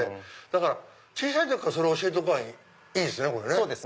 だから小さい時からそれ教えとけばいいですね。